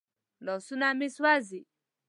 لاسونه مې سوځي.